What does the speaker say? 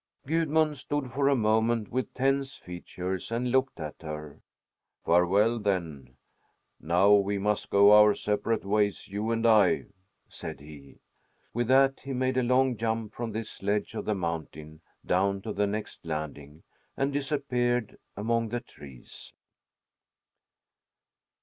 Gudmund stood for a moment, with tense features, and looked at her. "Farewell, then! Now we must go our separate ways, you and I," said he. With that he made a long jump from this ledge of the mountain down to the next landing and disappeared among the trees.